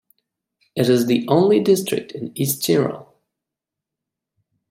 It is the only district in East Tyrol.